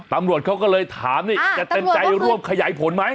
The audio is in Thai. ตำรวจเขาก็เลยถามนี่จะเต็มใจร่วมขยายผลไหม